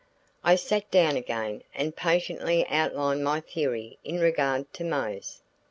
I sat down again and patiently outlined my theory in regard to Mose.